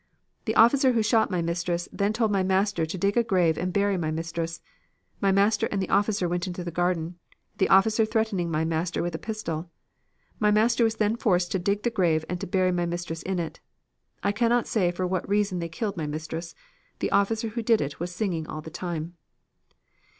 The officer who shot my mistress then told my master to dig a grave and bury my mistress. My master and the officer went into the garden, the officer threatening my master with a pistol. My master was then forced to dig the grave and to bury my mistress in it. I cannot say for what reason they killed my mistress. The officer who did it was singing all the time.'